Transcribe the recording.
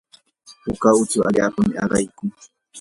puka utsu allapami ayaykun.